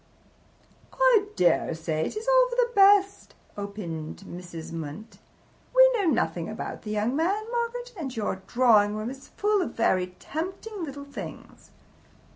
"I dare say it is all for the best," opined Mrs. Munt. "We know nothing about the young man, Margaret, and your drawing room is full of very tempting little things."